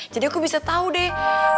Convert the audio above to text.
jadi aku bisa tau deh